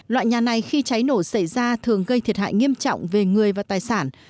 loại nhà này khi cháy nổ xảy ra thường gây thiệt hại nghiêm trọng về người và tài sản